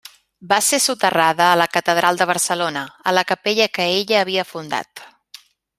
Va ser soterrada a la catedral de Barcelona, a la capella que ella havia fundat.